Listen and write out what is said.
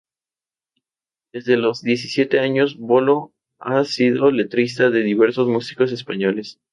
Desde los diecisiete años, "Bolo" ha sido letrista de diversos músicos españoles.